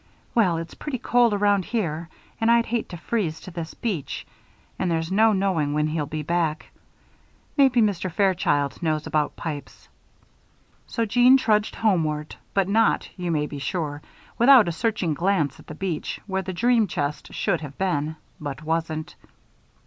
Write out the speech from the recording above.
Well, it's pretty cold around here and I'd hate to freeze to this bench, and there's no knowing when he'll get back. Maybe Mr. Fairchild knows about pipes." So Jeanne trudged homeward, but not, you may be sure, without a searching glance at the beach, where the dream chest should have been but wasn't.